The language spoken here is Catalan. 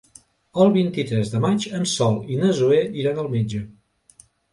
El vint-i-tres de maig en Sol i na Zoè iran al metge.